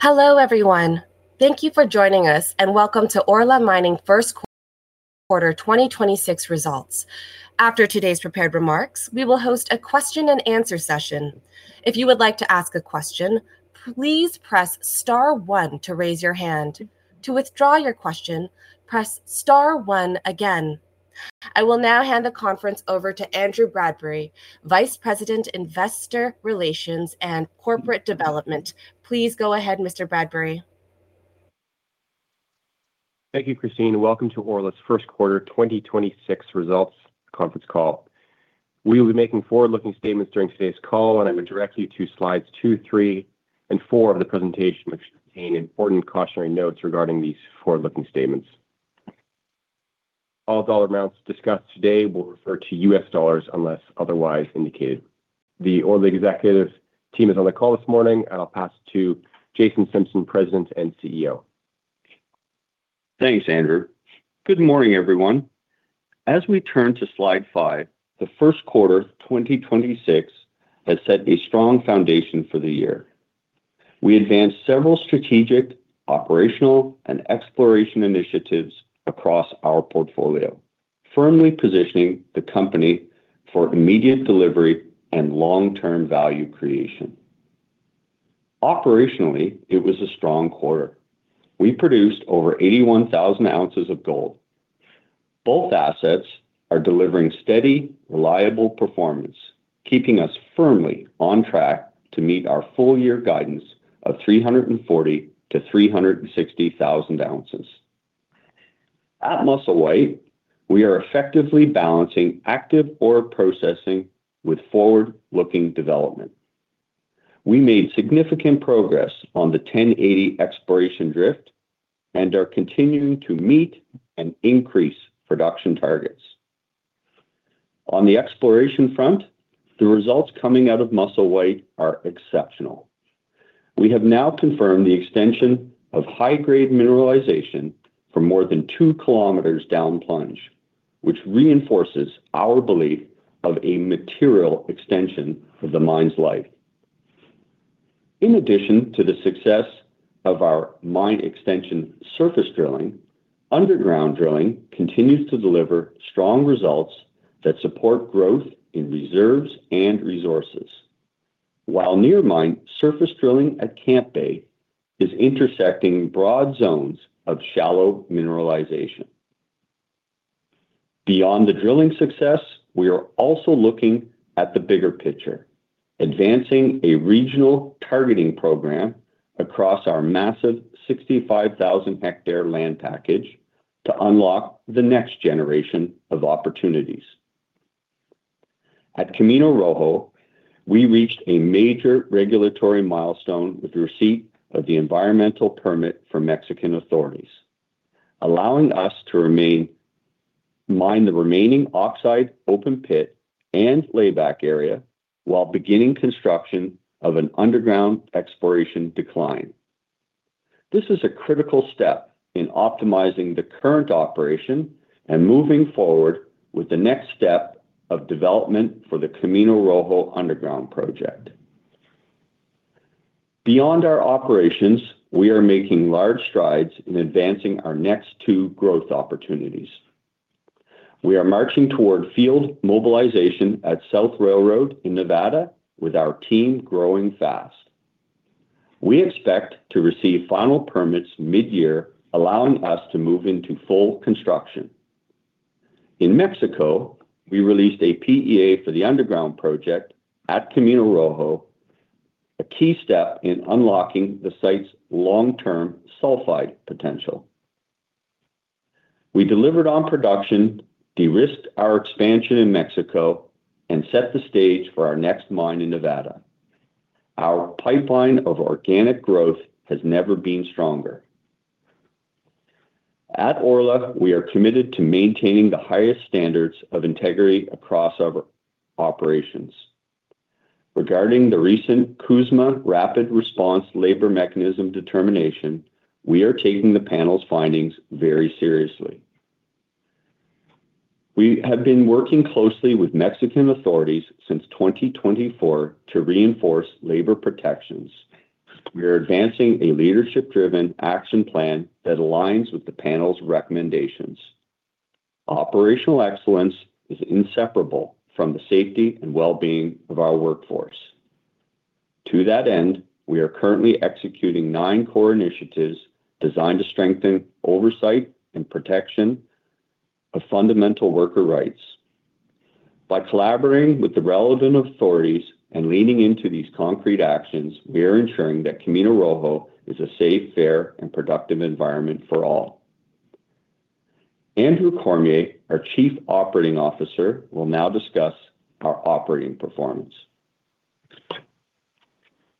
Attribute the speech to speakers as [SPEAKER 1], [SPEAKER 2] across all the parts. [SPEAKER 1] Hello, everyone. Thank you for joining us, and welcome to Orla Mining first quarter 2026 results. After today's prepared remarks, we will host a question-and-answer session. I will now hand the conference over to Andrew Bradbury, Vice President, Investor Relations and Corporate Development. Please go ahead, Mr. Bradbury.
[SPEAKER 2] Thank you, Christine. Welcome to Orla's first quarter 2026 results conference call. We will be making forward-looking statements during today's call. I would direct you to Slides 2, 3, and 4 of the presentation which contain important cautionary notes regarding these forward-looking statements. All dollar amounts discussed today will refer to US dollars unless otherwise indicated. The Orla executive team is on the call this morning. I'll pass to Jason Simpson, President and CEO.
[SPEAKER 3] Thanks, Andrew. Good morning, everyone. As we turn to Slide 5, the first quarter 2026 has set a strong foundation for the year. We advanced several strategic, operational, and exploration initiatives across our portfolio, firmly positioning the company for immediate delivery and long-term value creation. Operationally, it was a strong quarter. We produced over 81,000 ounces of gold. Both assets are delivering steady, reliable performance, keeping us firmly on track to meet our full year guidance of 340,000-360,000 ounces. At Musselwhite, we are effectively balancing active ore processing with forward-looking development. We made significant progress on the 1080 exploration drift and are continuing to meet and increase production targets. On the exploration front, the results coming out of Musselwhite are exceptional. We have now confirmed the extension of high-grade mineralization for more than two km down plunge, which reinforces our belief of a material extension of the mine's life. In addition to the success of our mine extension surface drilling, underground drilling continues to deliver strong results that support growth in reserves and resources. While near mine surface drilling at Camp Bay is intersecting broad zones of shallow mineralization. Beyond the drilling success, we are also looking at the bigger picture, advancing a regional targeting program across our massive 65,000-hectare land package to unlock the next generation of opportunities. At Camino Rojo, we reached a major regulatory milestone with the receipt of the environmental permit from Mexican authorities, allowing us to mine the remaining oxide open pit and layback area while beginning construction of an underground exploration decline. This is a critical step in optimizing the current operation and moving forward with the next step of development for the Camino Rojo underground project. Beyond our operations, we are making large strides in advancing our next two growth opportunities. We are marching toward field mobilization at South Railroad in Nevada with our team growing fast. We expect to receive final permits mid-year, allowing us to move into full construction. In Mexico, we released a PEA for the underground project at Camino Rojo, a key step in unlocking the site's long-term sulfide potential. We delivered on production, de-risked our expansion in Mexico, and set the stage for our next mine in Nevada. Our pipeline of organic growth has never been stronger. At Orla, we are committed to maintaining the highest standards of integrity across our operations. Regarding the recent CUSMA Rapid Response Labor Mechanism determination, we are taking the panel's findings very seriously. We have been working closely with Mexican authorities since 2024 to reinforce labor protections. We are advancing a leadership-driven action plan that aligns with the panel's recommendations. Operational excellence is inseparable from the safety and well-being of our workforce. To that end, we are currently executing nine core initiatives designed to strengthen oversight and protection of fundamental worker rights. By collaborating with the relevant authorities and leaning into these concrete actions, we are ensuring that Camino Rojo is a safe, fair, and productive environment for all. Andrew Cormier, our Chief Operating Officer, will now discuss our operating performance.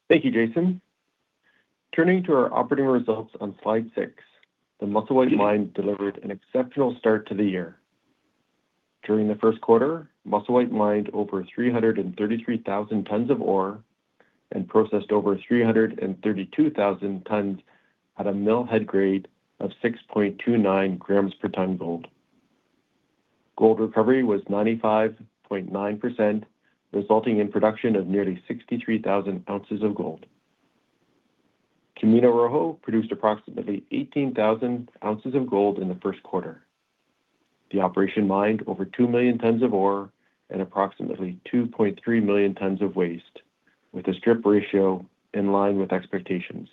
[SPEAKER 4] Thank you, Jason. Turning to our operating results on Slide 6, the Musselwhite Mine delivered an exceptional start to the year. During the first quarter, Musselwhite mined over 333,000 tons of ore and processed over 332,000 tons at a mill head grade of 6.29 grams per ton gold. Gold recovery was 95.9%, resulting in production of nearly 63,000 ounces of gold. Camino Rojo produced approximately 18,000 ounces of gold in the first quarter. The operation mined over 2 million tons of ore and approximately 2.3 million tons of waste, with a strip ratio in line with expectations.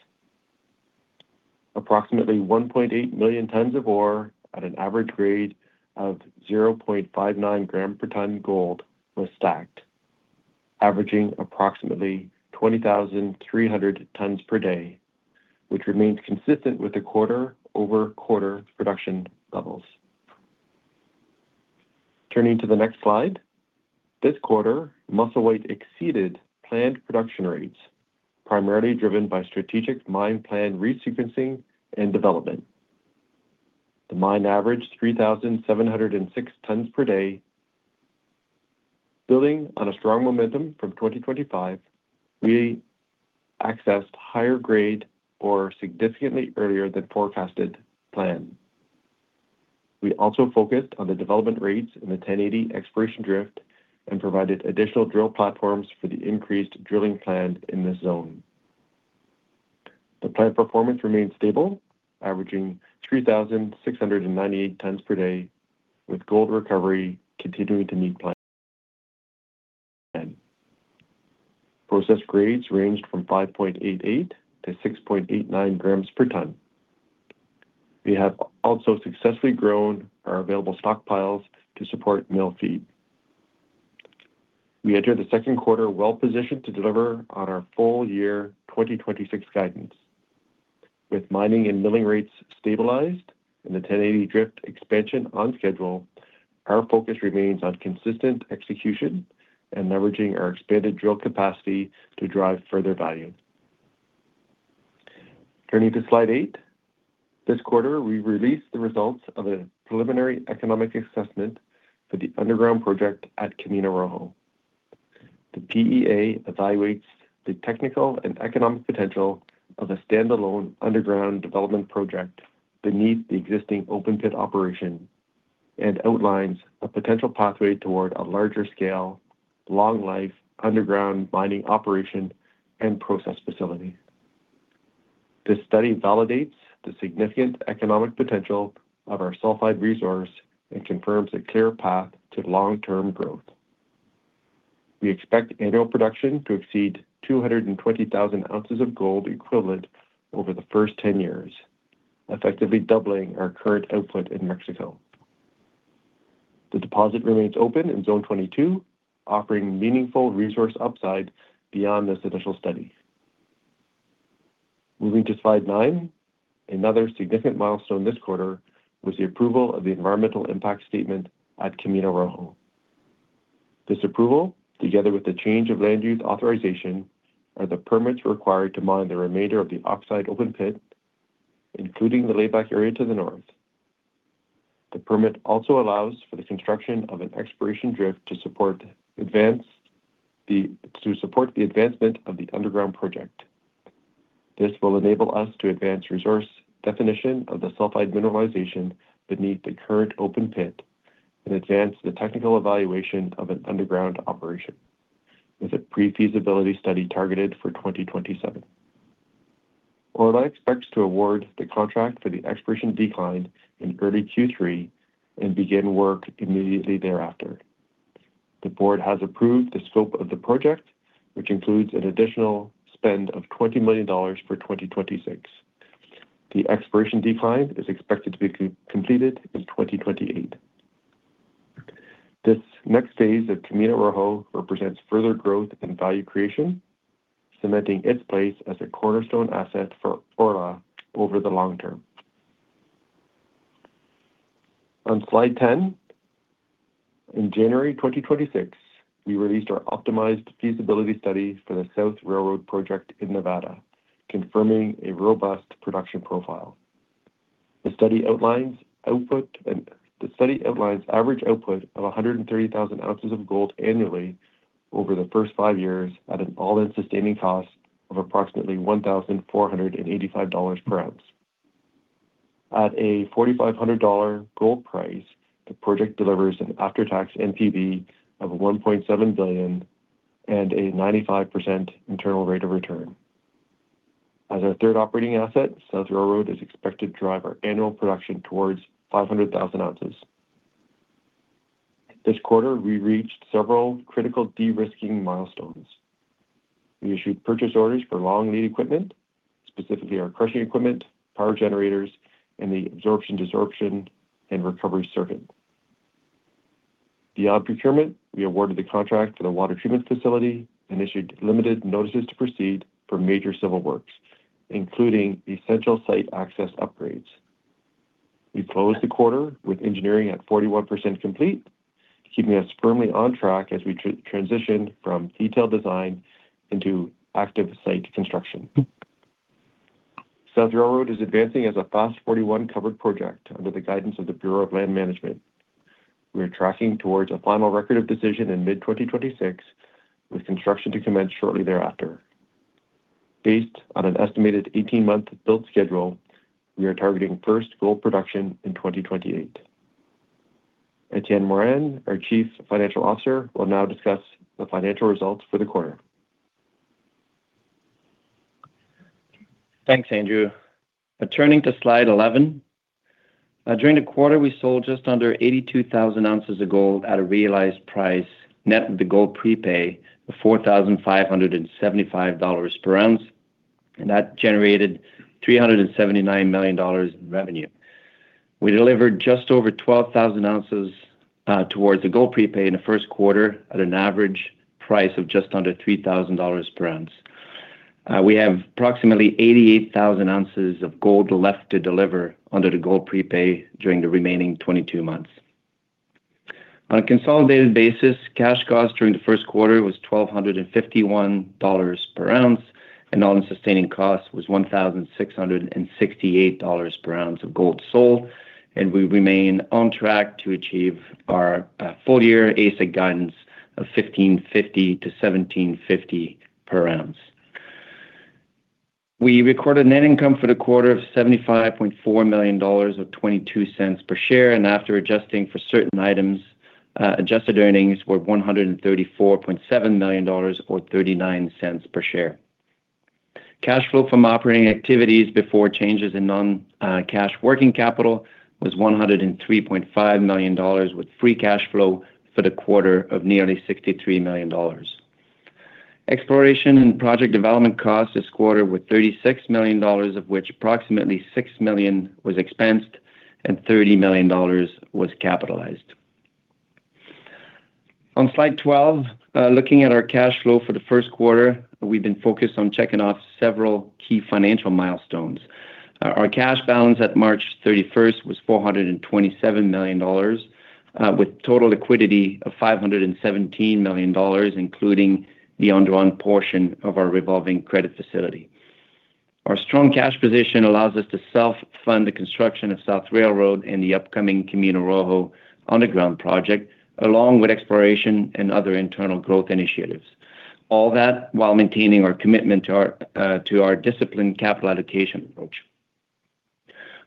[SPEAKER 4] Approximately 1.8 million tons of ore at an average grade of 0.59 gram per ton gold was stacked, averaging approximately 20,300 tons per day, which remains consistent with the quarter-over-quarter production levels. Turning to the next slide. This quarter, Musselwhite exceeded planned production rates, primarily driven by strategic mine plan resequencing and development. The mine averaged 3,706 tons per day. Building on a strong momentum from 2025, we accessed higher grade ore significantly earlier than forecasted plan. We also focused on the development rates in the 1080 exploration drift and provided additional drill platforms for the increased drilling planned in this zone. The plant performance remained stable, averaging 3,698 tons per day, with gold recovery continuing to meet plan. Process grades ranged from 5.88 to 6.89 grams per ton. We have also successfully grown our available stockpiles to support mill feed. We enter the second quarter well-positioned to deliver on our full year 2026 guidance. With mining and milling rates stabilized and the 1080 drift expansion on schedule, our focus remains on consistent execution and leveraging our expanded drill capacity to drive further value. Turning to Slide 8. This quarter, we released the results of a preliminary economic assessment for the underground project at Camino Rojo. The PEA evaluates the technical and economic potential of a standalone underground development project beneath the existing open pit operation and outlines a potential pathway toward a larger scale, long-life underground mining operation and process facility. This study validates the significant economic potential of our sulfide resource and confirms a clear path to long-term growth. We expect annual production to exceed 220,000 ounces of gold equivalent over the first 10 years, effectively doubling our current output in Mexico. The deposit remains open in zone 22, offering meaningful resource upside beyond this initial study. Moving to Slide 9. Another significant milestone this quarter was the approval of the environmental impact statement at Camino Rojo. This approval, together with the change of land use authorization, are the permits required to mine the remainder of the oxide open pit, including the layback area to the north. The permit also allows for the construction of an exploration drift to support the advancement of the underground project. This will enable us to advance resource definition of the sulfide mineralization beneath the current open pit and advance the technical evaluation of an underground operation, with a pre-feasibility study targeted for 2027. Orla expects to award the contract for the exploration decline in early Q3 and begin work immediately thereafter. The board has approved the scope of the project, which includes an additional spend of $20 million for 2026. The exploration decline is expected to be co-completed in 2028. This next phase at Camino Rojo represents further growth and value creation, cementing its place as a cornerstone asset for Orla over the long term. On Slide 10. In January 2026, we released our optimized feasibility study for the South Railroad project in Nevada, confirming a robust production profile. The study outlines average output of 130,000 ounces of gold annually over the first five years at an all-in sustaining cost of approximately $1,485 per ounce. At a $4,500 gold price, the project delivers an after-tax NPV of $1.7 billion and a 95% internal rate of return. As our third operating asset, South Railroad is expected to drive our annual production towards 500,000 ounces. This quarter, we reached several critical de-risking milestones. We issued purchase orders for long lead equipment, specifically our crushing equipment, power generators, and the absorption, desorption and recovery circuit. Beyond procurement, we awarded the contract for the water treatment facility and issued limited notices to proceed for major civil works, including essential site access upgrades. We closed the quarter with engineering at 41% complete, keeping us firmly on track as we transition from detailed design into active site construction. South Railroad is advancing as a FAST-41 covered project under the guidance of the Bureau of Land Management. We are tracking towards a final Record of Decision in mid-2026, with construction to commence shortly thereafter. Based on an estimated 18-month build schedule, we are targeting first gold production in 2028. Étienne Morin, our Chief Financial Officer, will now discuss the financial results for the quarter.
[SPEAKER 5] Thanks, Andrew. Turning to Slide 11. During the quarter, we sold just under 82,000 ounces of gold at a realized price net of the gold prepay of $4,575 per ounce, and that generated $379 million in revenue. We delivered just over 12,000 ounces towards the gold prepay in the first quarter at an average price of just under $3,000 per ounce. We have approximately 88,000 ounces of gold left to deliver under the gold prepay during the remaining 22 months. On a consolidated basis, cash cost during the first quarter was $1,251 per ounce, and all-in-sustaining cost was $1,668 per ounce of gold sold, and we remain on track to achieve our full-year AISC guidance of $1,550-$1,750 per ounce. We recorded net income for the quarter of $75.4 million or $0.22 per share, and after adjusting for certain items, adjusted earnings were $134.7 million or $0.39 per share. Cash flow from operating activities before changes in non-cash working capital was $103.5 million with free cash flow for the quarter of nearly $63 million. Exploration and project development costs this quarter were $36 million, of which approximately $6 million was expensed and $30 million was capitalized. On Slide 12, looking at our cash flow for the 1st quarter, we've been focused on checking off several key financial milestones. Our cash balance at March 31st was $427 million, with total liquidity of $517 million, including the undrawn portion of our revolving credit facility. Our strong cash position allows us to self-fund the construction of South Railroad and the upcoming Camino Rojo underground project, along with exploration and other internal growth initiatives, all that while maintaining our commitment to our disciplined capital allocation approach.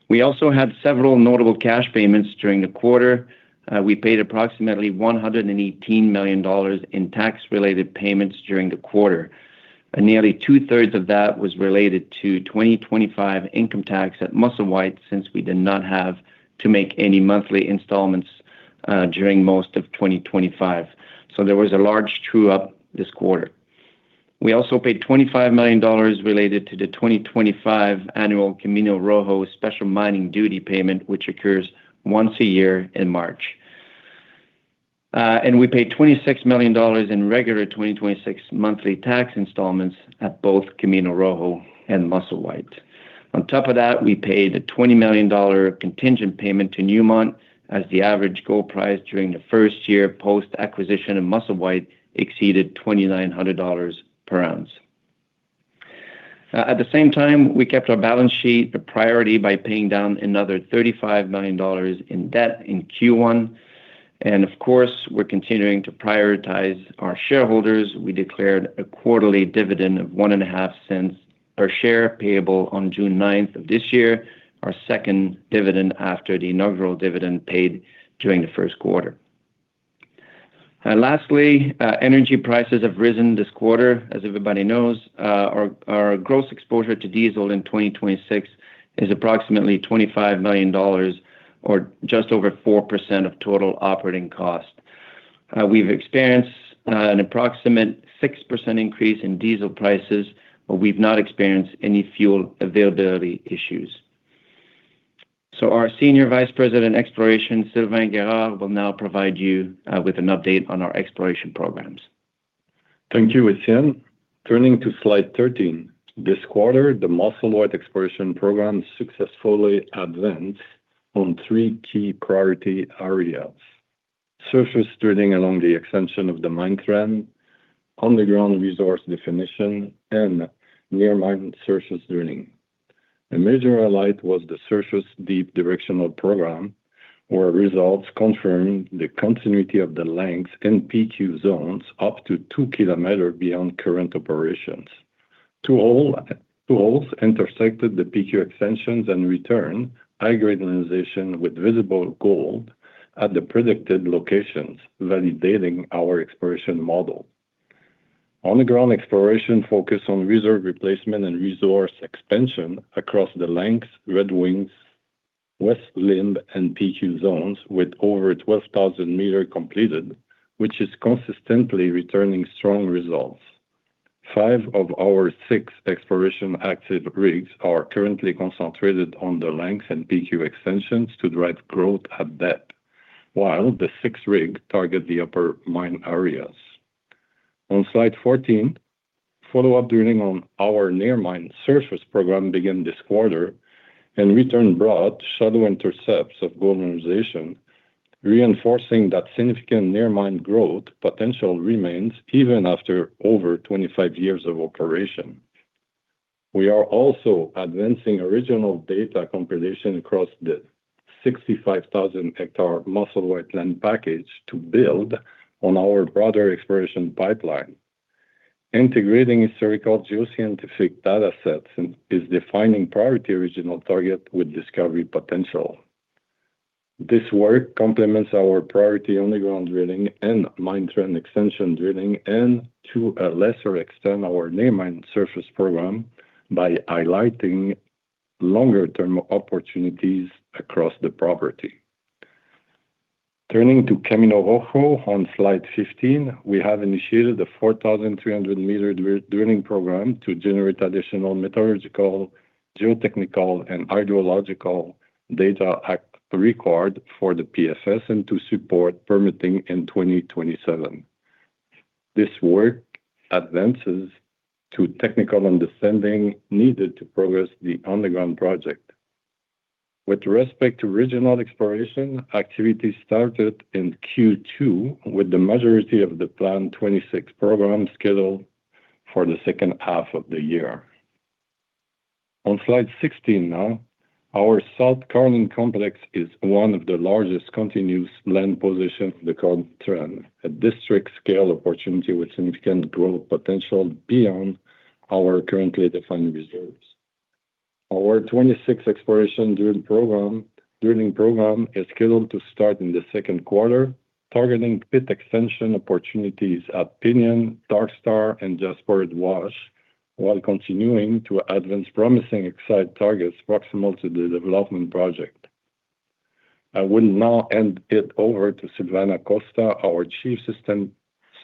[SPEAKER 5] We also had several notable cash payments during the quarter. We paid approximately $118 million in tax-related payments during the quarter. Nearly two-thirds of that was related to 2025 income tax at Musselwhite since we did not have to make any monthly installments during most of 2025. There was a large true-up this quarter. We also paid $25 million related to the 2025 annual Camino Rojo special mining duty payment, which occurs once a year in March. We paid $26 million in regular 2026 monthly tax installments at both Camino Rojo and Musselwhite. On top of that, we paid a $20 million contingent payment to Newmont as the average gold price during the first-year post-acquisition of Musselwhite exceeded $2,900 per ounce. At the same time, we kept our balance sheet a priority by paying down another $35 million in debt in Q1, and of course, we're continuing to prioritize our shareholders. We declared a quarterly dividend of $0.015 per share payable on June 9th of this year, our second dividend after the inaugural dividend paid during the first quarter. Lastly, energy prices have risen this quarter, as everybody knows. Our gross exposure to diesel in 2026 is approximately $25 million or just over 4% of total operating cost. We've experienced an approximate 6% increase in diesel prices, but we've not experienced any fuel availability issues. Our Senior Vice President, Exploration, Sylvain Guérard will now provide you with an update on our exploration programs.
[SPEAKER 6] Thank you, Étienne. Turning to Slide 13. This quarter, the Musselwhite exploration program successfully advanced on three key priority areas: surface drilling along the extension of the mine trend, underground resource definition, and near mine surface drilling. A major highlight was the surface deep directional program, where results confirmed the continuity of the Lynx and PQ zones up to two km beyond current operations. two holes intersected the PQ extensions and returned high grade mineralization with visible gold at the predicted locations, validating our exploration model. Underground exploration focused on reserve replacement and resource expansion across the Lynx, Red Wings, West Limb, and PQ zones with over 12,000 meters completed, which is consistently returning strong results. five of our six exploration active rigs are currently concentrated on the Lynx and PQ extensions to drive growth at depth, while the sixth rig target the upper mine areas. On Slide 14, follow-up drilling on our near mine surface program began this quarter and returned broad shallow intercepts of gold mineralization, reinforcing that significant near mine growth potential remains even after over 25 years of operation. We are also advancing original data compilation across the 65,000-hectare Musselwhite land package to build on our broader exploration pipeline. Integrating historical geoscientific data sets and is defining priority regional target with discovery potential. This work complements our priority underground drilling and mine trend extension drilling and to a lesser extent, our near mine surface program by highlighting longer term opportunities across the property. Turning to Camino Rojo on Slide 15, we have initiated the 4,300-meter drilling program to generate additional metallurgical, geotechnical and hydrological data required for the PFS and to support permitting in 2027. This work advances to technical understanding needed to progress the underground project. With respect to regional exploration, activities started in Q2 with the majority of the 26-program scheduled for the second half of the year. On Slide 16 now. Our South Carlin Complex is one of the largest continuous land positions in the Carlin Trend, a district scale opportunity with significant growth potential beyond our currently defined reserves. Our 26-exploration drilling program is scheduled to start in the second quarter, targeting pit extension opportunities at Pinyon, Dark Star and Jasperoid Wash while continuing to advance promising excite targets proximal to the development project. I will now hand it over to Silvana Costa, our Chief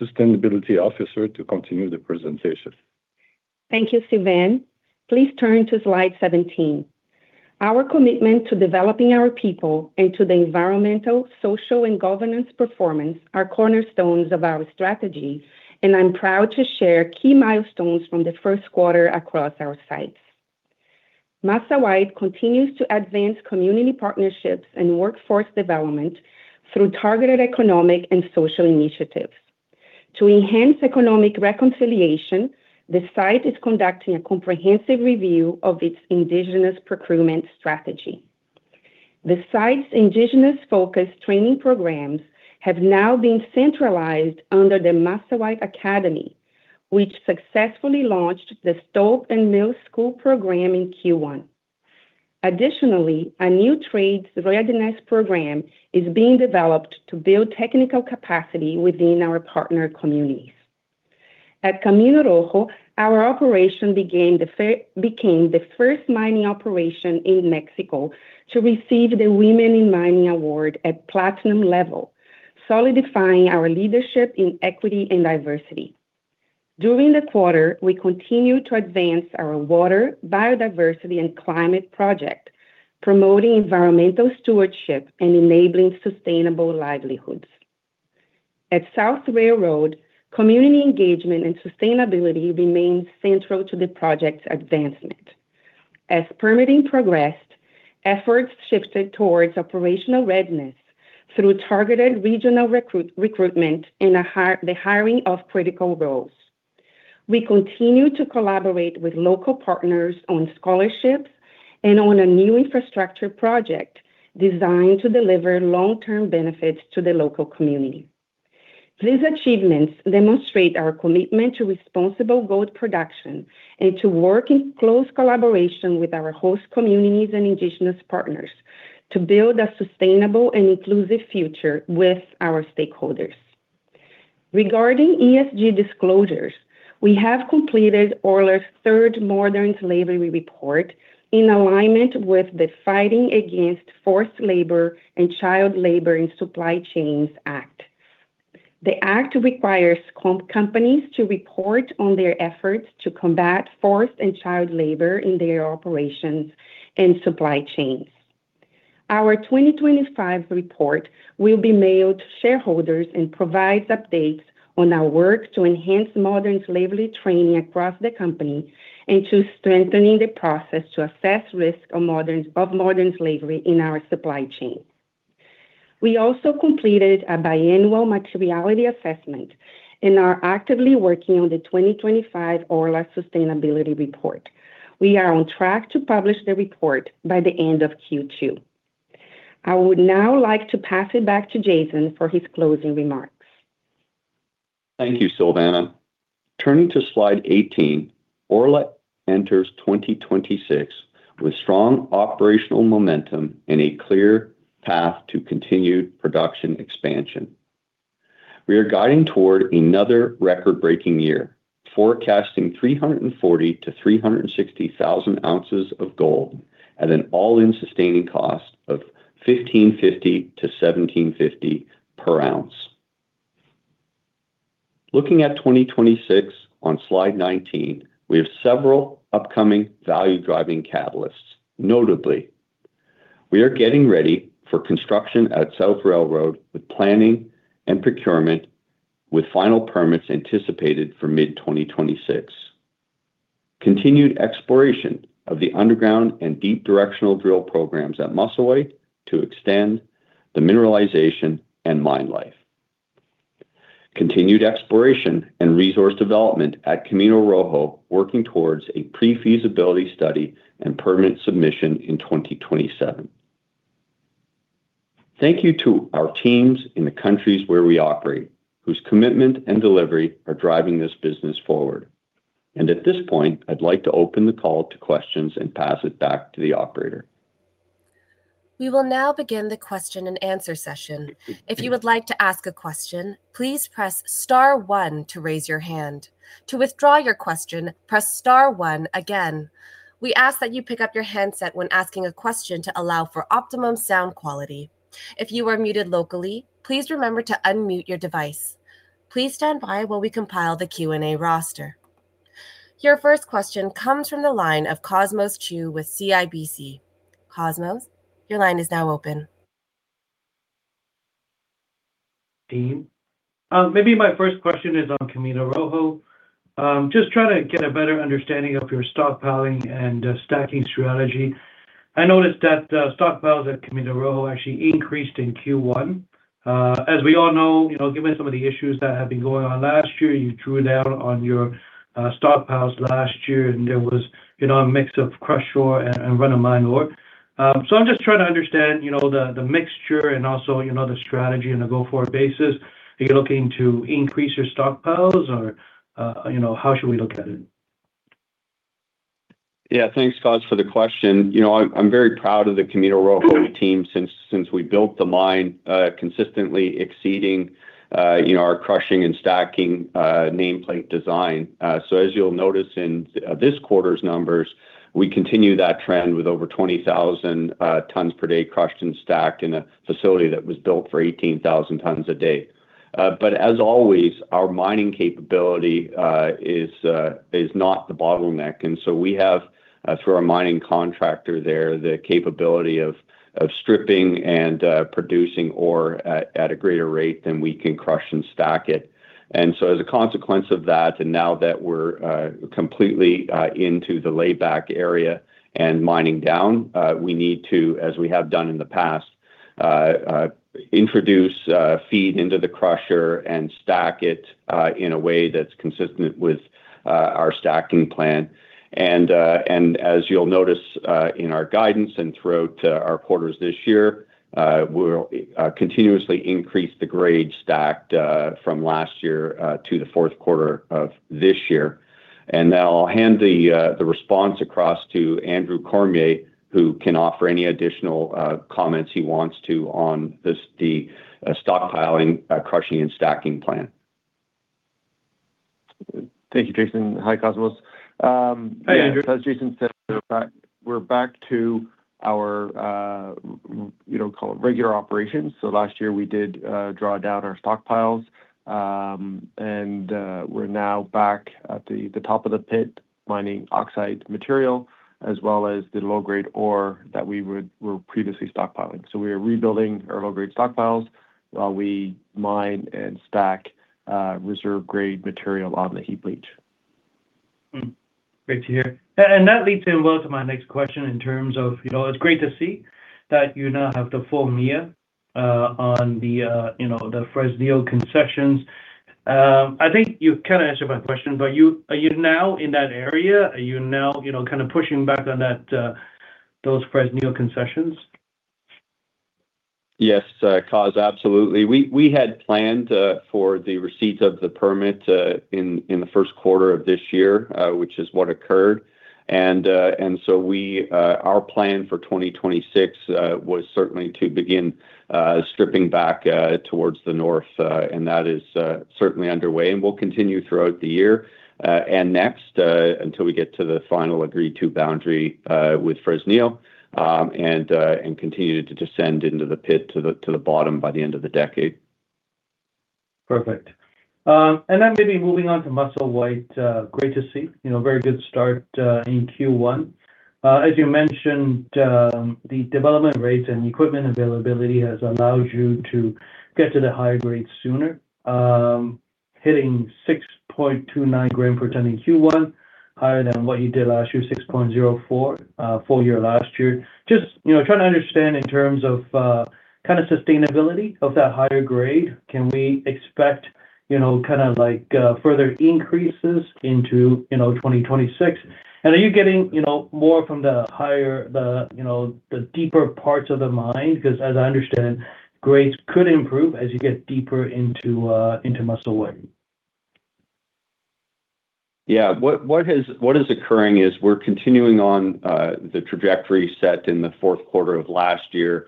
[SPEAKER 6] Sustainability Officer to continue the presentation.
[SPEAKER 7] Thank you, Sylvain. Please turn to Slide 17. Our commitment to developing our people and to the environmental, social and governance performance are cornerstones of our strategy, and I'm proud to share key milestones from the 1st quarter across our sites. Musselwhite continues to advance community partnerships and workforce development through targeted economic and social initiatives. To enhance economic reconciliation, the site is conducting a comprehensive review of its indigenous procurement strategy. The site's indigenous-focused training programs have now been centralized under the Musselwhite Academy, which successfully launched the Stope and Mill School program in Q1. A new trades readiness program is being developed to build technical capacity within our partner communities. At Camino Rojo, our operation became the first mining operation in Mexico to receive the Women in Mining award at platinum level, solidifying our leadership in equity and diversity. During the quarter, we continued to advance our water, biodiversity and climate project, promoting environmental stewardship and enabling sustainable livelihoods. At South Railroad, community engagement and sustainability remains central to the project's advancement. As permitting progressed, efforts shifted towards operational readiness through targeted regional recruitment and the hiring of critical roles. We continue to collaborate with local partners on scholarships and on a new infrastructure project designed to deliver long-term benefits to the local community. These achievements demonstrate our commitment to responsible gold production and to work in close collaboration with our host communities and indigenous partners to build a sustainable and inclusive future with our stakeholders. Regarding ESG disclosures, we have completed Orla's third Modern Slavery report in alignment with the Fighting Against Forced Labour and Child Labour in Supply Chains Act. The act requires companies to report on their efforts to combat forced and child labor in their operations and supply chains. Our 2025 report will be mailed to shareholders and provides updates on our work to enhance modern slavery training across the company and to strengthening the process to assess risk of modern slavery in our supply chain. We also completed a biennial materiality assessment and are actively working on the 2025 Orla sustainability report. We are on track to publish the report by the end of Q2. I would now like to pass it back to Jason for his closing remarks.
[SPEAKER 3] Thank you, Silvana. Turning to Slide 18, Orla enters 2026 with strong operational momentum and a clear path to continued production expansion. We are guiding toward another record-breaking year, forecasting 340,000-360,000 ounces of gold at an all-in sustaining cost of $1,550-$1,750 per ounce. Looking at 2026 on Slide 19, we have several upcoming value-driving catalysts. Notably, we are getting ready for construction at South Railroad with planning and procurement, with final permits anticipated for mid-2026. Continued exploration of the underground and deep directional drill programs at Musselwhite to extend the mineralization and mine life. Continued exploration and resource development at Camino Rojo, working towards a pre-feasibility study and permanent submission in 2027. Thank you to our teams in the countries where we operate, whose commitment and delivery are driving this business forward. At this point, I'd like to open the call to questions and pass it back to the operator.
[SPEAKER 1] Your first question comes from the line of Cosmos Chiu with CIBC. Cosmos, your line is now open.
[SPEAKER 8] Dean. Maybe my first question is on Camino Rojo. Just trying to get a better understanding of your stockpiling and stacking strategy. I noticed that stockpiles at Camino Rojo actually increased in Q1. As we all know, you know, given some of the issues that have been going on last year, you drew down on your stockpiles last year, and there was, you know, a mix of crushed ore and run-of-mine ore. I'm just trying to understand, you know, the mixture and also, you know, the strategy on a go-forward basis. Are you looking to increase your stockpiles or, you know, how should we look at it?
[SPEAKER 3] Thanks, Cos, for the question. You know, I'm very proud of the Camino Rojo team since we built the mine, consistently exceeding, you know, our crushing and stacking nameplate design. As you'll notice in this quarter's numbers, we continue that trend with over 20,000 tons per day crushed and stacked in a facility that was built for 18,000 tons a day. As always, our mining capability is not the bottleneck, we have through our mining contractor there, the capability of stripping and producing ore at a greater rate than we can crush and stack it. As a consequence of that, now that we're completely into the layback area and mining down, we need to, as we have done in the past, introduce feed into the crusher and stack it in a way that's consistent with our stacking plan. As you'll notice in our guidance and throughout our quarters this year, we'll continuously increase the grade stacked from last year to the fourth quarter of this year. Now I'll hand the response across to Andrew Cormier, who can offer any additional comments he wants to on this, the stockpiling, crushing and stacking plan.
[SPEAKER 4] Thank you, Jason. Hi, Cosmos.
[SPEAKER 8] Hi, Andrew.
[SPEAKER 4] As Jason said, we're back to our, you know, call it, regular operations. Last year, we did draw down our stockpiles. And we're now back at the top of the pit mining oxide material as well as the low-grade ore that we were previously stockpiling. We are rebuilding our low-grade stockpiles while we mine and stack reserve-grade material on the heap leach.
[SPEAKER 8] Great to hear. That leads in well to my next question in terms of, you know, it's great to see that you now have the full MIA on the, you know, the Fresnillo concessions. I think you kinda answered my question. Are you now in that area? Are you now, you know, kinda pushing back on that, those Fresnillo concessions?
[SPEAKER 3] Yes, Cosmos, absolutely. We had planned for the receipt of the permit in the first quarter of this year, which is what occurred. We, our plan for 2026 was certainly to begin stripping back towards the north, and that is certainly underway and will continue throughout the year and next until we get to the final agreed to boundary with Fresnillo and continue to descend into the pit to the bottom by the end of the decade.
[SPEAKER 8] Perfect. Then maybe moving on to Musselwhite, great to see. You know, very good start in Q1. As you mentioned, the development rates and equipment availability has allowed you to get to the higher grades sooner, hitting 6.29 gram per ton in Q1, higher than what you did last year, 6.04 full year last year. Just, you know, trying to understand in terms of kinda sustainability of that higher grade. Can we expect, you know, kinda like further increases into, you know, 2026? Are you getting, you know, more from, you know, the deeper parts of the mine? 'Cause as I understand, grades could improve as you get deeper into Musselwhite.
[SPEAKER 3] Yeah. What is occurring is we're continuing on the trajectory set in the fourth quarter of last year,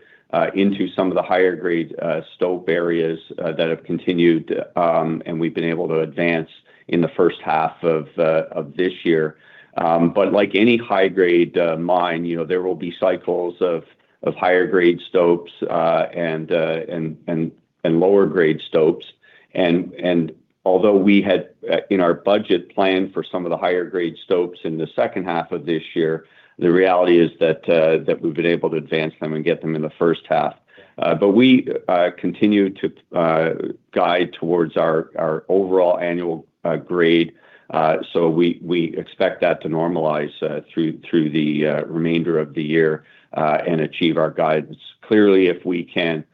[SPEAKER 3] into some of the higher-grade stope areas that have continued, and we've been able to advance in the first half of this year. Like any high grade mine, you know, there will be cycles of higher grade stopes and lower grade stopes. Although we had in our budget planned for some of the higher grade stopes in the second half of this year, the reality is that we've been able to advance them and get them in the first half. We continue to guide towards our overall annual grade. We expect that to normalize through the remainder of the year and achieve our guidance. Clearly, if we can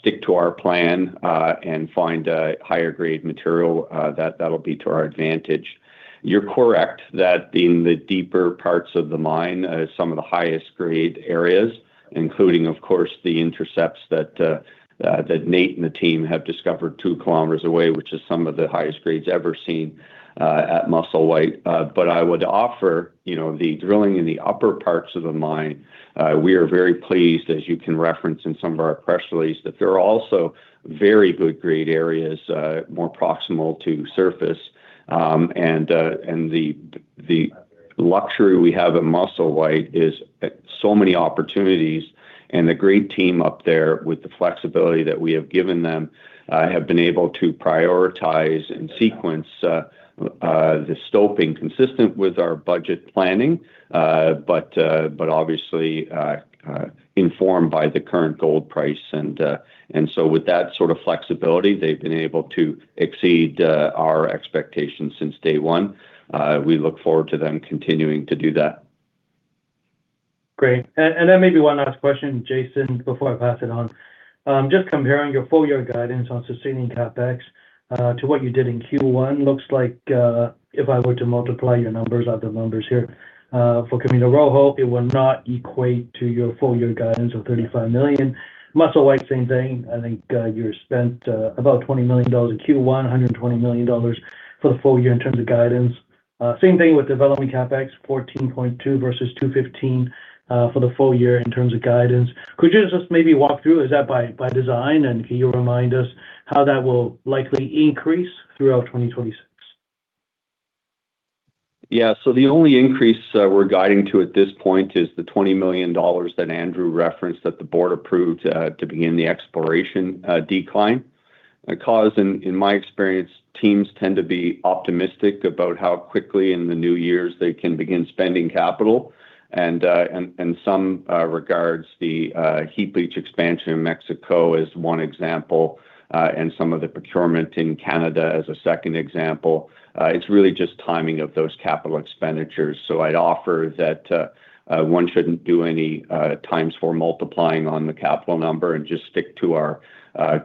[SPEAKER 3] stick to our plan and find higher grade material, that'll be to our advantage. You're correct that in the deeper parts of the mine, some of the highest-grade areas, including, of course, the intercepts that Nate and the team have discovered two km away, which is some of the highest grades ever seen at Musselwhite. I would offer, you know, the drilling in the upper parts of the mine, we are very pleased, as you can reference in some of our press release, that there are also very good grade areas more proximal to surface. The luxury we have at Musselwhite is so many opportunities, and the great team up there with the flexibility that we have given them, have been able to prioritize and sequence the stoping consistent with our budget planning, but obviously informed by the current gold price. With that sort of flexibility, they've been able to exceed our expectations since day one. We look forward to them continuing to do that.
[SPEAKER 8] Great. Then maybe one last question, Jason, before I pass it on. Just comparing your full-year guidance on sustaining CapEx to what you did in Q1, looks like if I were to multiply your numbers, I have the numbers here, for Camino Rojo, it would not equate to your full-year guidance of $35 million. Musselwhite, same thing. I think you spent about $20 million in Q1, $120 million for the full year in terms of guidance. Same thing with development CapEx, 14.2 versus 215 for the full year in terms of guidance. Could you just maybe walk through, is that by design? Can you remind us how that will likely increase throughout 2026?
[SPEAKER 3] Yeah. The only increase we're guiding to at this point is the $20 million that Andrew referenced that the board approved to begin the exploration decline. Because in my experience, teams tend to be optimistic about how quickly in the new years they can begin spending capital. And some regards, the heap leach expansion in Mexico is one example, and some of the procurement in Canada as a second example. It's really just timing of those capital expenditures. I'd offer that one shouldn't do any times for multiplying on the capital number and just stick to our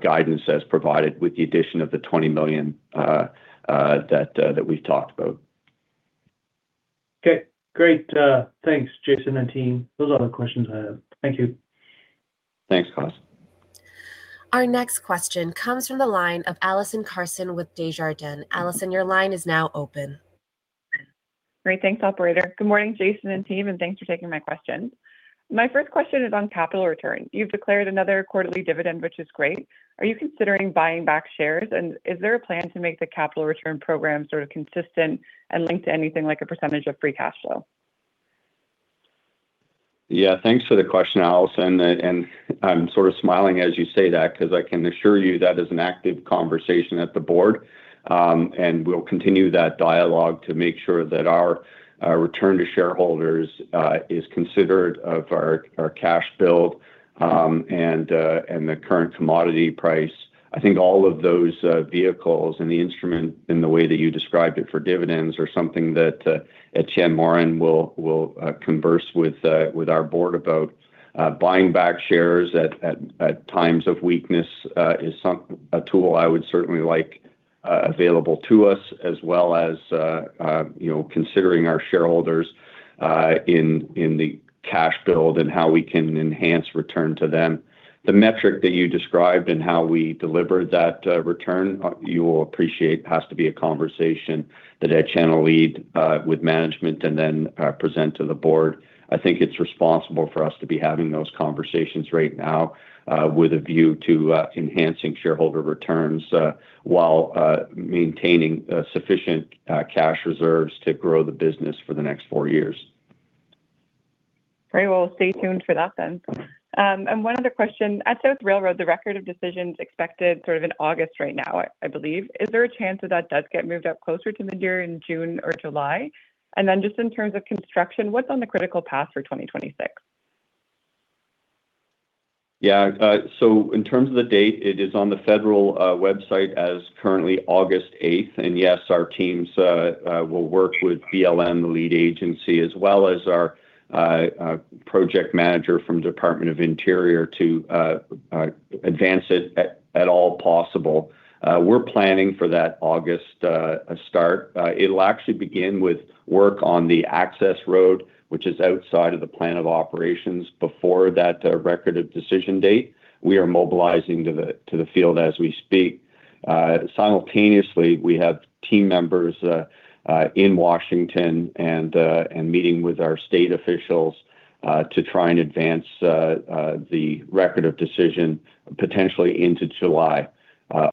[SPEAKER 3] guidance as provided with the addition of the $20 million that we've talked about.
[SPEAKER 8] Okay, great. Thanks, Jason and team. Those are all the questions I have. Thank you.
[SPEAKER 3] Thanks, Cosmos.
[SPEAKER 1] Our next question comes from the line of Allison Carson with Desjardins. Allison, your line is now open.
[SPEAKER 9] Great. Thanks, operator. Good morning, Jason and team, and thanks for taking my questions. My first question is on capital return. You've declared another quarterly dividend, which is great. Is there a plan to make the capital return program sort of consistent and linked to anything like a percentage of free cash flow?
[SPEAKER 3] Yeah, thanks for the question, Allison. I am sort of smiling as you say that because I can assure you that is an active conversation at the board. We will continue that dialogue to make sure that our return to shareholders is considered of our cash build and the current commodity price. I think all of those vehicles and the instrument in the way that you described it for dividends are something that Étienne Morin will converse with our board about. Buying back shares at times of weakness is a tool I would certainly like available to us as well as, you know, considering our shareholders in the cash build and how we can enhance return to them. The metric that you described and how we deliver that return, you will appreciate has to be a conversation that Etienne Morin will lead with management and then present to the board. I think it's responsible for us to be having those conversations right now, with a view to enhancing shareholder returns, while maintaining sufficient cash reserves to grow the business for the next four years.
[SPEAKER 9] Very well. Stay tuned for that then. One other question. At South Railroad, the Record of Decision is expected sort of in August right now, I believe. Is there a chance that that does get moved up closer to midyear in June or July? Then just in terms of construction, what's on the critical path for 2026?
[SPEAKER 3] Yeah. In terms of the date, it is on the federal website as currently August 8th. Yes, our teams will work with BLM, the lead agency, as well as our project manager from Department of Interior to advance it at all possible. We're planning for that August start. It'll actually begin with work on the access road, which is outside of the plan of operations before that Record of Decision date. We are mobilizing to the field as we speak. Simultaneously, we have team members in Washington and meeting with our state officials to try and advance the Record of Decision potentially into July.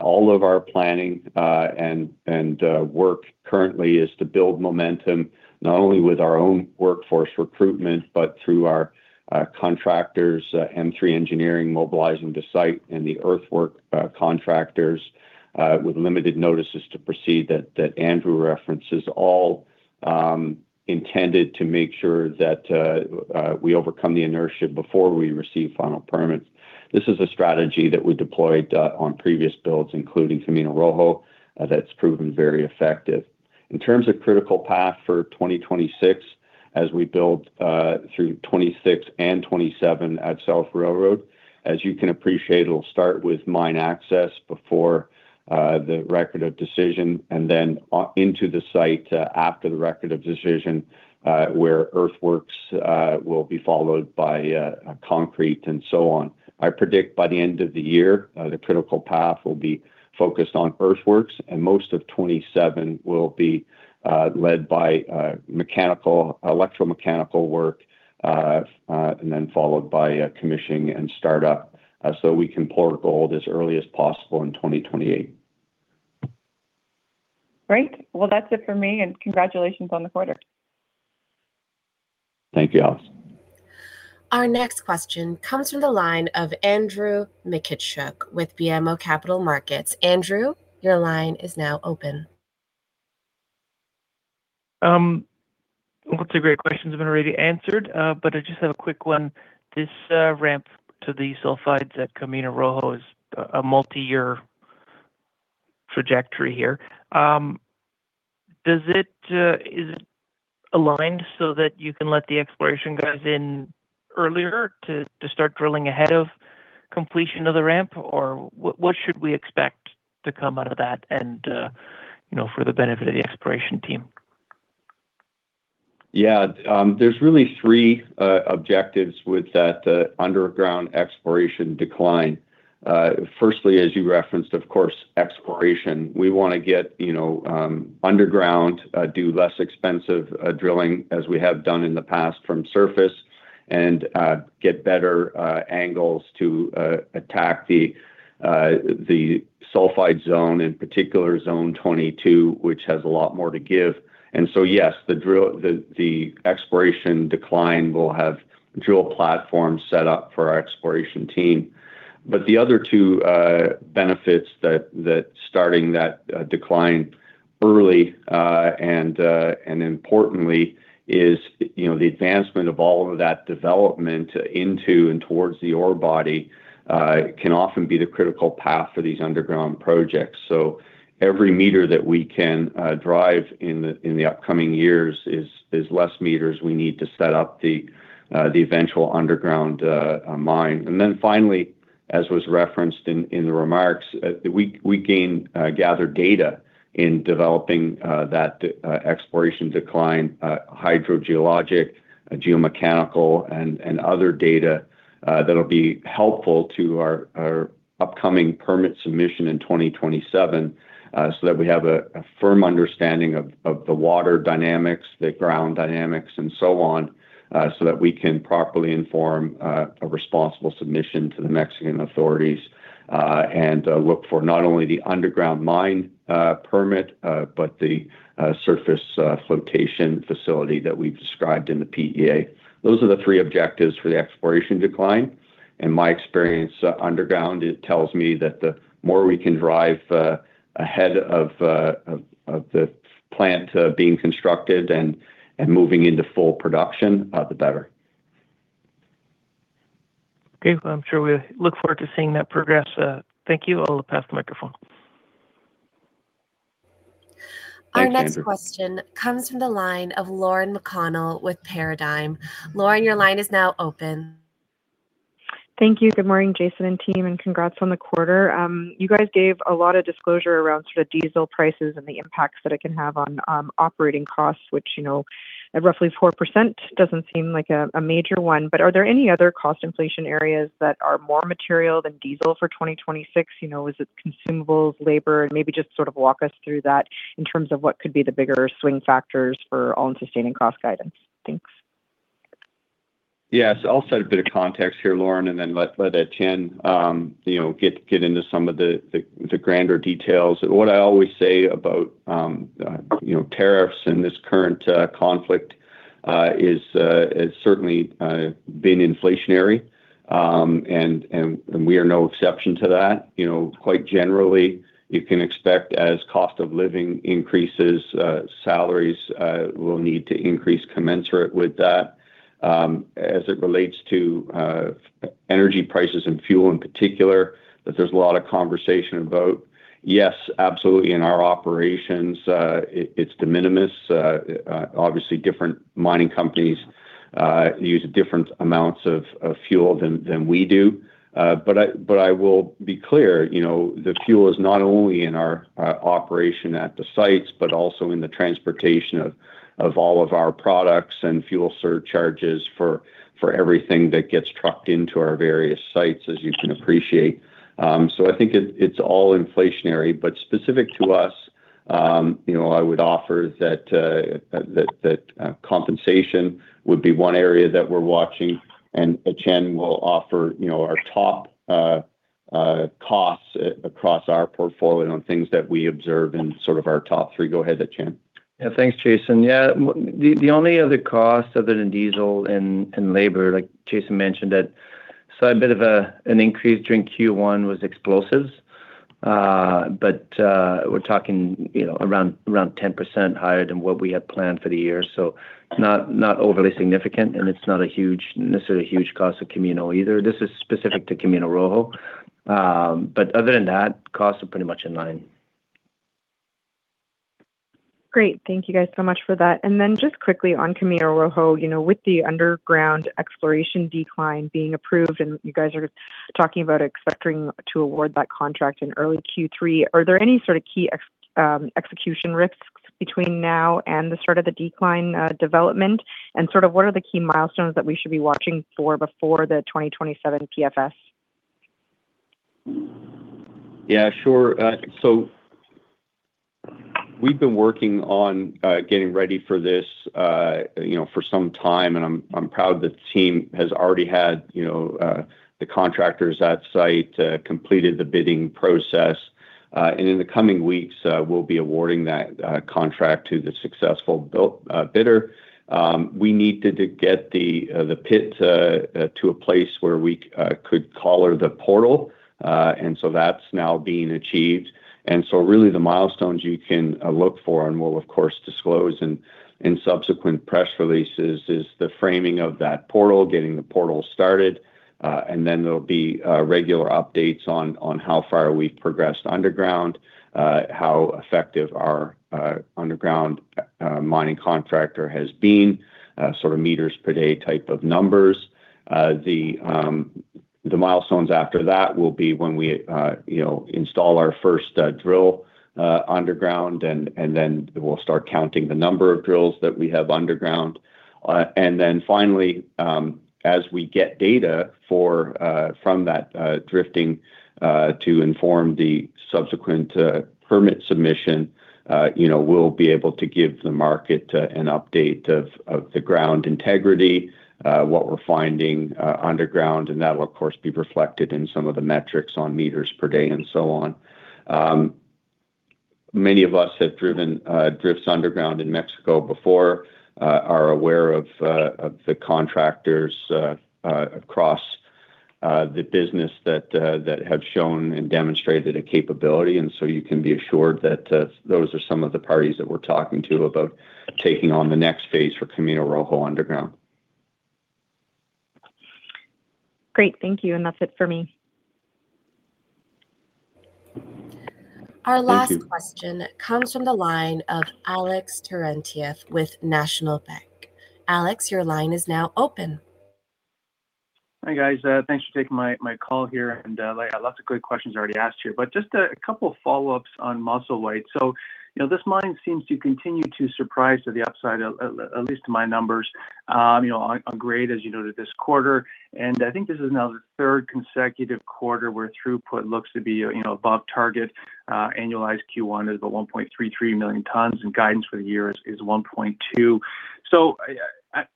[SPEAKER 3] All of our planning and work currently is to build momentum not only with our own workforce recruitment, but through our contractors, M3 Engineering mobilizing to site, and the earthwork contractors with limited notices to proceed that Andrew references, intended to make sure that we overcome the inertia before we receive final permits. This is a strategy that we deployed on previous builds, including Camino Rojo, that's proven very effective. In terms of critical path for 2026 as we build through 2026 and 2027 at South Railroad, as you can appreciate, it'll start with mine access before the Record of Decision and then on into the site after the Record of Decision, where earthworks will be followed by concrete and so on. I predict by the end of the year, the critical path will be focused on earthworks, and most of 2027 will be led by mechanical, electromechanical work, and then followed by commissioning and start-up, so we can pour gold as early as possible in 2028.
[SPEAKER 9] Great. Well, that's it for me, and congratulations on the quarter.
[SPEAKER 3] Thank you, Allison.
[SPEAKER 1] Our next question comes from the line of Andrew Mikitchook with BMO Capital Markets. Andrew, your line is now open.
[SPEAKER 10] Lots of great questions have been already answered. I just have a quick one. This ramp to the sulfides at Camino Rojo is a multi-year trajectory here. Is it aligned so that you can let the exploration guys in earlier to start drilling ahead of completion of the ramp? Or what should we expect to come out of that and, you know, for the benefit of the exploration team?
[SPEAKER 3] Yeah. There's really three objectives with that underground exploration decline. As you referenced, of course, exploration. We want to get, you know, underground, do less expensive drilling as we have done in the past from surface and get better angles to attack the sulfide zone, in particular zone 22, which has a lot more to give. Yes, the exploration decline will have drill platforms set up for our exploration team. The other two benefits that starting that decline early and importantly is, you know, the advancement of all of that development into and towards the ore body can often be the critical path for these underground projects. Every meter that we can drive in the upcoming years is less meters we need to set up the eventual underground mine. Then finally, as was referenced in the remarks, we gather data in developing that exploration decline, hydrogeologic, geomechanical and other data that'll be helpful to our upcoming permit submission in 2027, so that we have a firm understanding of the water dynamics, the ground dynamics, and so on, so that we can properly inform a responsible submission to the Mexican authorities, and look for not only the underground mine permit, but the surface flotation facility that we've described in the PEA. Those are the three objectives for the exploration decline. In my experience, underground it tells me that the more we can drive, ahead of the plant, being constructed and moving into full production, the better.
[SPEAKER 10] Okay. Well, I'm sure we look forward to seeing that progress. Thank you. I'll pass the microphone.
[SPEAKER 3] Thanks, Andrew.
[SPEAKER 1] Our next question comes from the line of Lauren McConnell with Paradigm. Lauren, your line is now open.
[SPEAKER 11] Thank you. Good morning, Jason and team, and congrats on the quarter. You guys gave a lot of disclosure around sort of diesel prices and the impacts that it can have on operating costs, which, you know, at roughly 4% doesn't seem like a major one. Are there any other cost inflation areas that are more material than diesel for 2026? You know, is it consumables, labor? Maybe just sort of walk us through that in terms of what could be the bigger swing factors for all-in sustaining cost guidance. Thanks.
[SPEAKER 3] Yes. I'll set a bit of context here, Lauren, and then let Etienne, you know, get into some of the grander details. What I always say about, you know, tariffs in this current conflict is has certainly been inflationary, and we are no exception to that. You know, quite generally, you can expect as cost-of-living increases, salaries will need to increase commensurate with that. As it relates to energy prices and fuel in particular, that there's a lot of conversation about, yes, absolutely in our operations, it's de minimis. Obviously different mining companies use different amounts of fuel than we do. I will be clear, you know, the fuel is not only in our operation at the sites but also in the transportation of all of our products and fuel surcharges for everything that gets trucked into our various sites, as you can appreciate. I think it's all inflationary. Specific to us, you know, I would offer that compensation would be one area that we're watching, and Étienne will offer, you know, our top costs across our portfolio and on things that we observe and sort of our top three. Go ahead, Étienne.
[SPEAKER 5] Yeah. Thanks, Jason. The only other cost other than diesel and labor, like Jason mentioned, that A bit of an increase during Q1 was explosives. We're talking, you know, around 10% higher than what we had planned for the year. Not overly significant, and it's not a huge cost to Camino either. This is specific to Camino Rojo. Other than that, costs are pretty much in line.
[SPEAKER 11] Great. Thank you guys so much for that. Just quickly on Camino Rojo, you know, with the underground exploration decline being approved, and you guys are talking about expecting to award that contract in early Q3, are there any sort of key execution risks between now and the start of the decline development? Sort of what are the key milestones that we should be watching for before the 2027 PFS?
[SPEAKER 3] Yeah, sure. We've been working on getting ready for this, you know, for some time, and I'm proud the team has already had, you know, the contractors at site completed the bidding process. In the coming weeks, we'll be awarding that contract to the successful bidder. We needed to get the pit to a place where we could collar the portal, that's now being achieved. Really the milestones you can look for and we'll of course disclose in subsequent press releases is the framing of that portal, getting the portal started, and then there'll be regular updates on how far we've progressed underground, how effective our underground mining contractor has been, sort of meters per day type of numbers. The milestones after that will be when we, you know, install our first drill underground and then we'll start counting the number of drills that we have underground. Then finally, as we get data for from that drifting to inform the subsequent permit submission, you know, we'll be able to give the market an update of the ground integrity, what we're finding underground, and that'll of course be reflected in some of the metrics on meters per day and so on. Many of us have driven drifts underground in Mexico before, are aware of the contractors across the business that have shown and demonstrated a capability. So, you can be assured that those are some of the parties that we're talking to about taking on the next phase for Camino Rojo underground.
[SPEAKER 11] Great. Thank you. That's it for me.
[SPEAKER 3] Thank you.
[SPEAKER 1] Our last question comes from the line of Alex Terentiev with National Bank. Alex, your line is now open.
[SPEAKER 12] Hi, guys. Thanks for taking my call here. Like lots of great questions already asked here, but just a couple follow-ups on Musselwhite. You know, this mine seems to continue to surprise to the upside, at least to my numbers, you know, on grade, as you noted this quarter. I think this is now the third consecutive quarter where throughput looks to be, you know, above target. Annualized Q1 is about 1.33 million tons and guidance for the year is 1.2.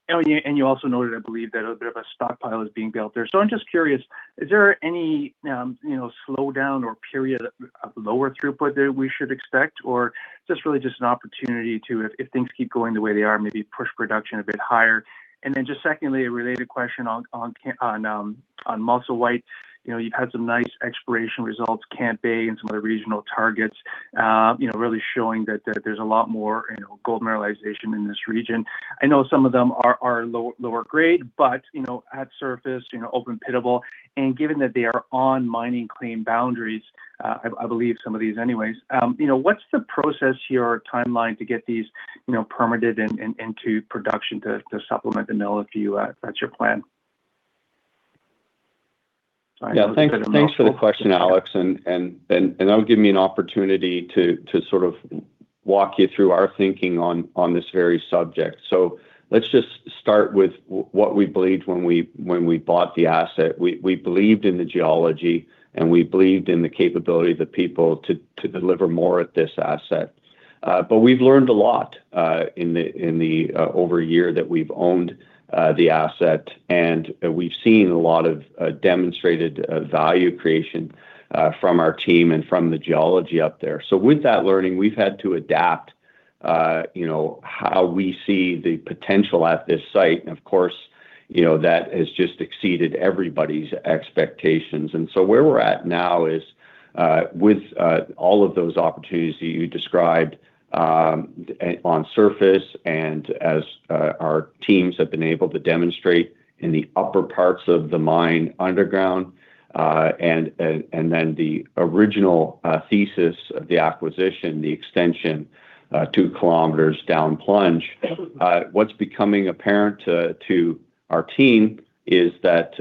[SPEAKER 12] You also noted, I believe that a bit of a stockpile is being built there. I'm just curious, is there any, you know, slowdown or period of lower throughput that we should expect? Is this really just an opportunity to, if things keep going the way they are, maybe push production a bit higher? Secondly, a related question on Musselwhite. You know, you've had some nice exploration results, Camp Bay and some other regional targets, you know, really showing that there's a lot more, you know, gold mineralization in this region. I know some of them are lower grade, but you know, at surface, you know, open-pittable, and given that they are on mining claim boundaries, I believe some of these anyways, you know, what's the process here or timeline to get these, you know, permitted and into production to supplement the mill if that's your plan?
[SPEAKER 3] Thanks for the question, Alex. That'll give me an opportunity to sort of walk you through our thinking on this very subject. Let's just start with what we believed when we bought the asset. We believed in the geology, and we believed in the capability of the people to deliver more at this asset. We've learned a lot in the over a year that we've owned the asset, and we've seen a lot of demonstrated value creation from our team and from the geology up there. With that learning, we've had to adapt, you know, how we see the potential at this site. Of course, you know, that has just exceeded everybody's expectations. Where we're at now is, with all of those opportunities you described, on surface and as our teams have been able to demonstrate in the upper parts of the mine underground, and then the original thesis of the acquisition, the extension, two km down plunge, what's becoming apparent to our team is that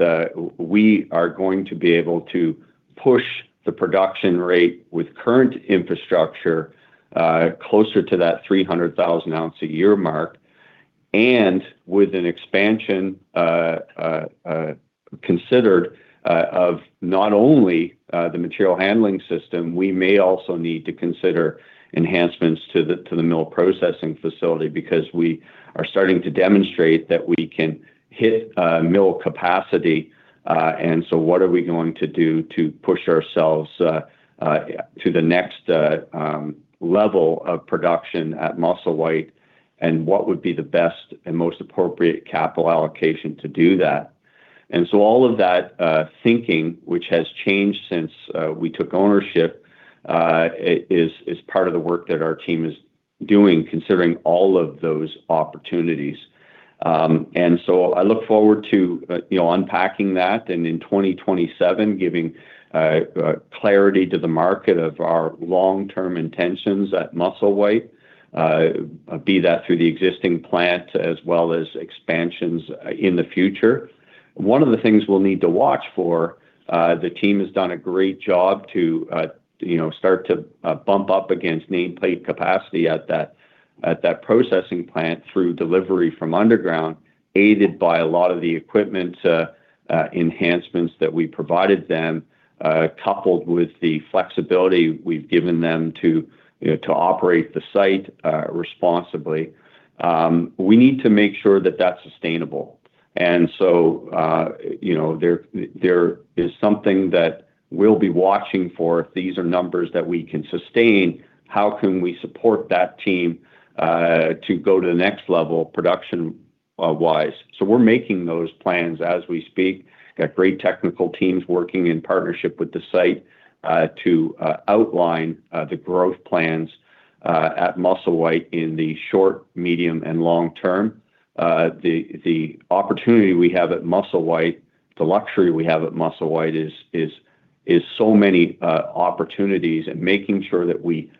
[SPEAKER 3] we are going to be able to push the production rate with current infrastructure closer to that 300,000 ounce a year mark. With an expansion considered of not only the material handling system, we may also need to consider enhancements to the mill processing facility because we are starting to demonstrate that we can hit mill capacity. What are we going to do to push ourselves to the next level of production at Musselwhite? What would be the best and most appropriate capital allocation to do that? All of that thinking, which has changed since we took ownership, is part of the work that our team is doing, considering all of those opportunities. I look forward to, you know, unpacking that and in 2027 giving clarity to the market of our long-term intentions at Musselwhite, be that through the existing plant as well as expansions in the future. One of the things we'll need to watch for, the team has done a great job to, you know, start to bump up against nameplate capacity at that processing plant through delivery from underground, aided by a lot of the equipment enhancements that we provided them, coupled with the flexibility we've given them to, you know, to operate the site responsibly. We need to make sure that that's sustainable. You know, there is something that we'll be watching for. If these are numbers that we can sustain, how can we support that team to go to the next level production wise? We're making those plans as we speak. Got great technical teams working in partnership with the site, to outline the growth plans at Musselwhite in the short, medium, and long term. The opportunity we have at Musselwhite, the luxury we have at Musselwhite is so many opportunities and making sure that we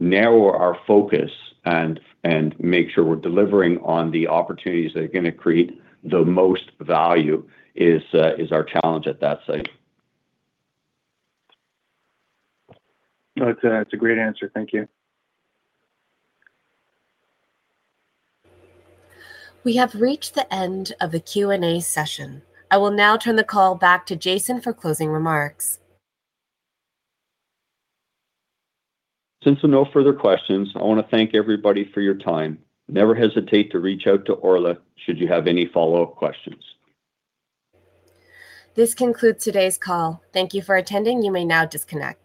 [SPEAKER 3] narrow our focus and make sure we're delivering on the opportunities that are gonna create the most value is our challenge at that site.
[SPEAKER 12] That's a great answer. Thank you.
[SPEAKER 1] We have reached the end of the Q&A session. I will now turn the call back to Jason for closing remarks.
[SPEAKER 3] Since there are no further questions, I want to thank everybody for your time. Never hesitate to reach out to Orla should you have any follow-up questions.
[SPEAKER 1] This concludes today's call. Thank you for attending. You may now disconnect.